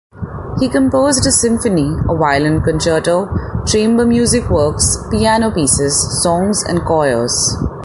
He composed a symphony, a violin concerto, chamber music works, piano pieces, songs and choirs.